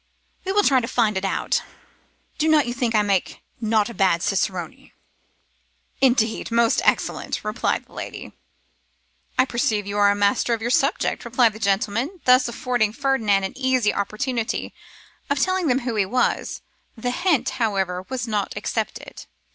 'We will try to find it out. Do not you think I make not a bad cicerone?' 'Indeed, most excellent,' replied the lady. 'I perceive you are a master of your subject,' replied the gentleman, thus affording Ferdinand an easy opportunity of telling them who he was. The hint, however, was not accepted.